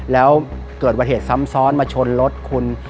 แล้วเกิดวัติเหตุซ้ำซ้อนมาชนรถคุณ